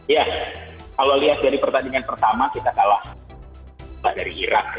ya kalau lihat dari pertandingan pertama kita kalah dari irak